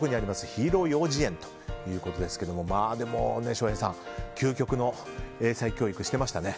ヒーロー幼児園ということですが翔平さん、究極の英才教育してましたね。